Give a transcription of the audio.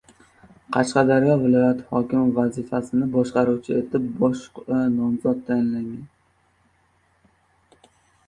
Qashqadaryo viloyati hokimi vazifasini bajaruvchi etib boshqa nomzod tayinlangan.